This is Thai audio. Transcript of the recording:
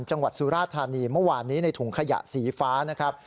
สุราธานีเมื่อวานนี้ในถุงขยะสีฟ้านะครับ